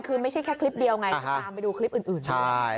คือไม่ใช่แค่คลิปเดียวไงตามไปดูคลิปอื่นใช่